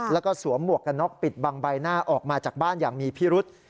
แล้วก็สวมหมวกกันน็อกปิดบังใบหน้าออกมาจากบ้านอย่างมีพิรุษ